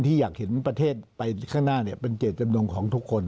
ที่อยากเห็นประเทศไปข้างหน้าเป็นเจตจำนงของทุกคน